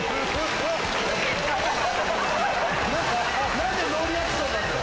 何でノーリアクションなんだよ？